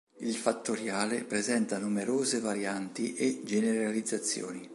Il fattoriale presenta numerose varianti e generalizzazioni.